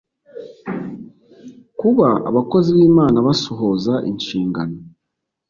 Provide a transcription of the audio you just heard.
kuba abakozi bImana basohoza inshingano